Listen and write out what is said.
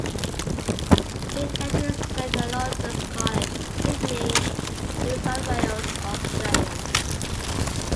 He attended Saint Aloysius' College, Sydney, New South Wales, Australia.